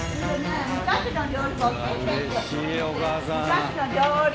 昔の料理。